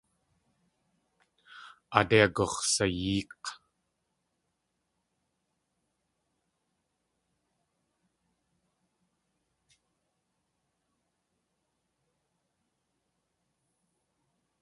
Aadé agux̲sayéek̲.